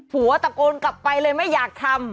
หัวตะโกนกลับไปเลยไม่อยากทำ